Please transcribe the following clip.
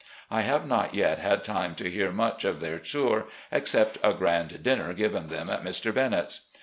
I have not yet had time to hear much of their tour, except a grand dinner given them at Mr. Bennet's.